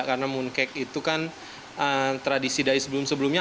karena mooncake itu kan tradisi dari sebelum sebelumnya